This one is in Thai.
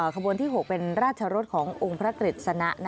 ขบวนที่หกเป็นราชรสขององค์พระตริศนะ